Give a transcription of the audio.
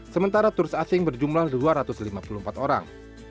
sementara turis asing berjumlah dua ratus lima puluh empat orang